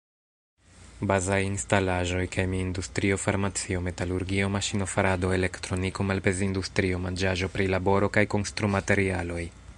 Bazaj instalaĵoj, kemi-industrio, farmacio, metalurgio, maŝino-farado, elektroniko, malpez-industrio, manĝaĵo-prilaboro kaj konstrumaterialoj.